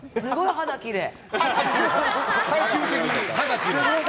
肌きれい。